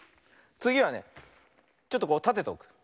つぎはねちょっとたてておく。ね。